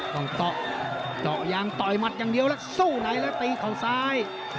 ต้องเจาะเจาะยางต่อยหมัดอย่างเดียวแล้วสู้ไหนแล้วตีเขาซ้าย